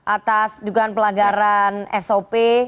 atas dugaan pelanggaran sop